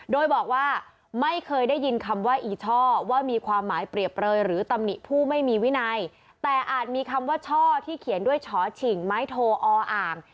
โดยบอกว่าไม่เคยได้ยินคำว่าอีช่อว่ามีความหมายเปรียบเปลยหรือตำหนิผู้ไม่มีวินัยแต่อาจมีคำว่าช่อที่เขียนด้วยช้อฉิ่งไม้โทออ่าง